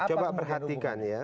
coba perhatikan ya